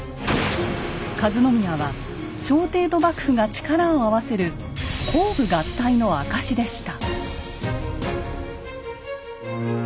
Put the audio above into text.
和宮は朝廷と幕府が力を合わせる公武合体の証しでした。